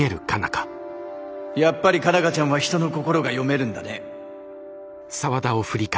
やっぱり佳奈花ちゃんは人の心が読めるんだね。